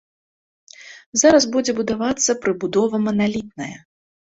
Зараз будзе будавацца прыбудова маналітная.